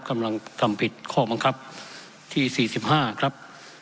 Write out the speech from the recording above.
กำลังทำผิดข้อบังคับที่๔๕ครับ